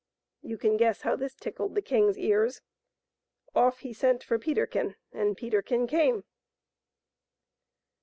You can guess how this tickled the king's ears. Off he sent for Peterkin, and Peterkin came.